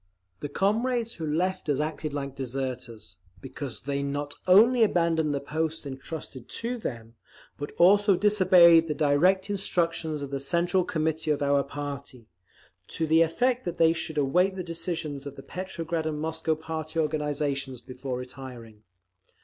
The comrades who left us acted like deserters, because they not only abandoned the posts entrusted to them, but also disobeyed the direct instructions of the Central Committee of our party, to the effect that they should await the decisions of the Petrograd and Moscow party organisations before retiring.